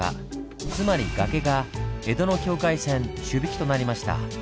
つまり崖が江戸の境界線朱引となりました。